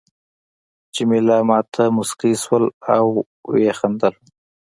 جميله ما ته مسکی شول او وخندل.